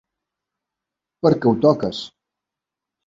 Per què ho toques?